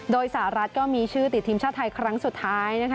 โดยสหรัฐก็มีชื่อติดทีมชาติไทยครั้งสุดท้ายนะคะ